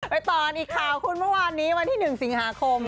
ไปต่อกันอีกข่าวคุณเมื่อวานนี้วันที่๑สิงหาคม